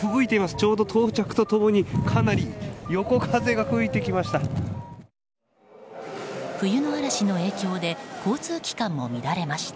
ちょうど到着と共にかなり横風が吹いてきました。